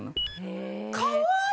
かわいい！